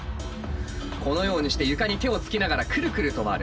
このようにして床に手をつきながらクルクルと回る。